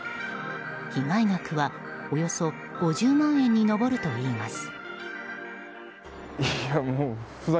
被害額はおよそ５０万円に上るといいます。